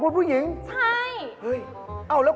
ครูผู้หญิงครับ